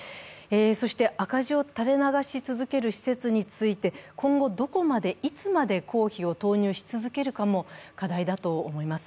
そして、赤字をたれ流し続ける施設について今後どこまで、いつまで公費を投入し続けるかも課題だと思います。